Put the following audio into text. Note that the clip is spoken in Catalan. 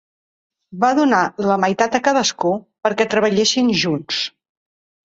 Va donar la meitat a cadascun perquè treballessin junts.